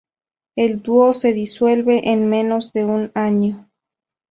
El dúo se disuelve en menos de un año.